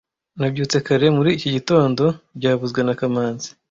Nabyutse kare muri iki gitondo byavuzwe na kamanzi